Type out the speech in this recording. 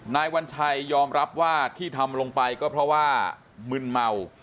วัญชัยยอมรับว่าที่ทำลงไปก็เพราะว่ามึนเมา